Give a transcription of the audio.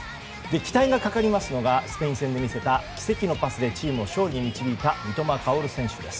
期待がかかりますのがスペイン戦で見せた奇跡のパスで、チームを勝利に導いた三笘薫選手です。